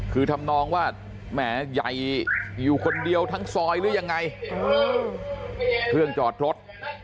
คือทำนองว่าแหมใหญ่อยู่คนเดียวทั้งซอยหรือยังไงเครื่องจอดรถ